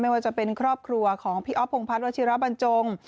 ว่าจะเป็นครอบครัวของพี่อ๊อฟพงพัฒนวัชิระบรรจง